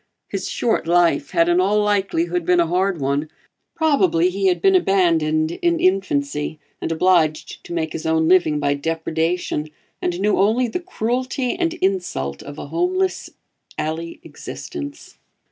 His short life had in all likelihood been a hard one; probably he had been abandoned in infancy and obliged to make his own living by depredation, and knew only the cruelty and insult of a homeless alley existence.